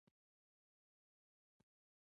د خمچان دښته، چې ما یې په لومړي ځل نوم اورېدی دی